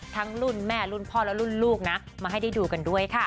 รุ่นแม่รุ่นพ่อและรุ่นลูกนะมาให้ได้ดูกันด้วยค่ะ